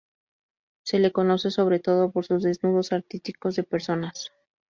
Se le conoce sobre todo por sus desnudos artísticos de personas.